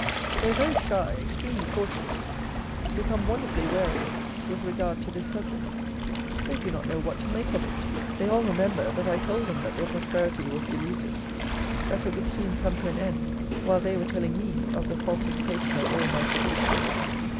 They are very shy, extremely cautious; become wonderfully wary, with regard to this subject. They do not know what to make of it. They all remember, that I told them that their prosperity was delusive; that it would soon come to an end, while they were telling me of the falsification of all my predictions.